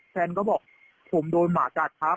แฟนก็บอกผมโดนหมากัดทับ